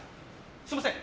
すみません。